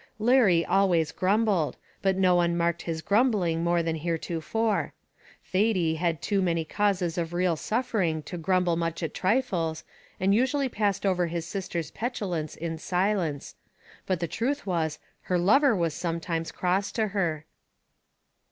Larry always grumbled, but no one marked his grumbling more than heretofore. Thady had too many causes of real suffering to grumble much at trifles, and usually passed over his sister's petulance in silence: but the truth was, her lover was sometimes cross to her.